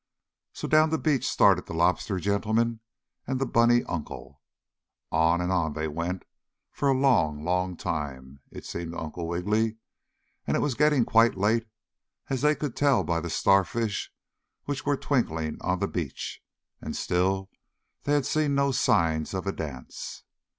So down the beach started the Lobster gentleman and the bunny uncle. On and on they went for a long, long time, it seemed to Uncle Wiggily, and it was getting quite late, as he could tell by the star fish which were twinkling on the beach, and still they had seen no signs of a dance.